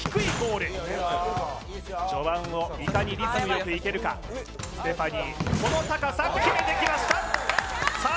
序盤をいかにリズムよくいけるかステファニーこの高さ決めてきましたさあ